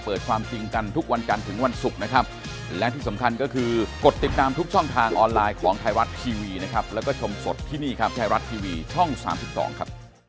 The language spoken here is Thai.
เป็นที่เรียบร้อยแล้วครับผมเสียหา